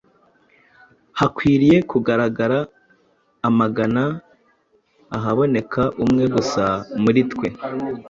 Hakwiye kugaragara amagana ahaboneka umwe gusa muri twe,